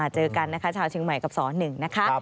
เจอกันชาวชิงใหม่กับสนหนึ่งนะคะ